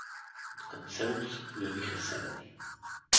Откъм селото се появиха селяни.